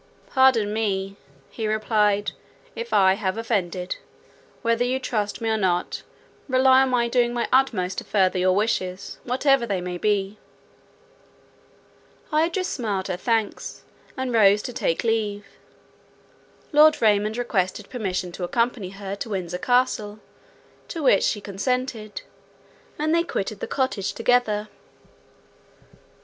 "Pardon me," he replied, "if I have offended. Whether you trust me or not, rely on my doing my utmost to further your wishes, whatever they may be." Idris smiled her thanks, and rose to take leave. Lord Raymond requested permission to accompany her to Windsor Castle, to which she consented, and they quitted the cottage together.